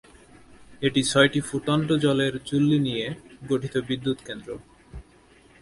এটি ছয়টি ফুটন্ত জলের চুল্লী নিয়ে গঠিত বিদ্যুৎ কেন্দ্র।